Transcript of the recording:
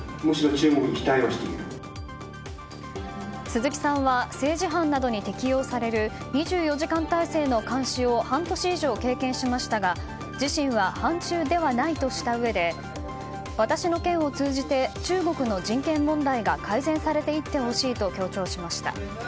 鈴木さんは政治犯などに適用される２４時間態勢の監視を半年以上経験しましたが自身は反中ではないとしたうえで私の件を通じて中国の人権問題が改善されていってほしいと強調しました。